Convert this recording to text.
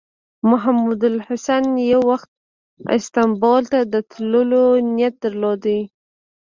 محمود الحسن یو وخت استانبول ته د تللو نیت درلود.